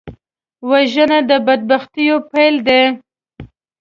وژنه د بدبختیو پیل دی